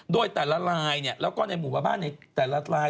โดยแต่ละลายแล้วก็ในหมู่บ้านในแต่ละลาย